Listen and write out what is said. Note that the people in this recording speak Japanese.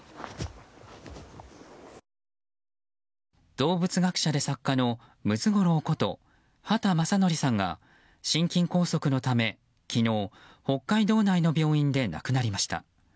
動物学者で作家のムツゴロウこと畑正憲さんが心筋梗塞のため昨日、北海道内の病院で亡くなりました。